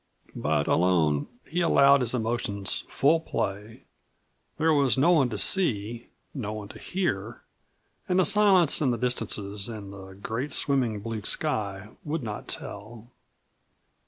But alone he allowed his emotions full play. There was no one to see, no one to hear, and the silence and the distances, and the great, swimming blue sky would not tell.